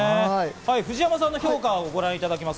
藤山さんの評価をご覧いただきます。